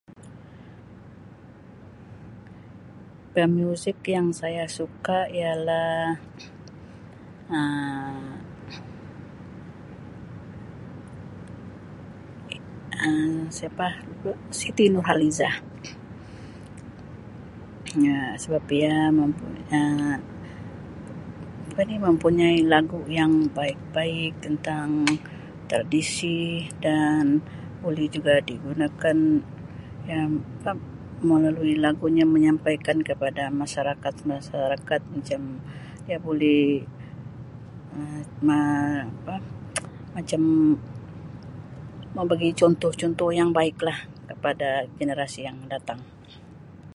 Pemuzik yang saya suka ialah Um siapa Siti Nurhalizah ya sebab ia mempunya Um apa ni mempunyai lagu yang baik-baik tentang tradisi dan boleh juga digunakan Um melalui lagunya menyampaikan kepada masyarakat-masyarakat macam dia buli Um apa macam mau bagi contoh-contoh yang baik lah kepada generasi yang datang.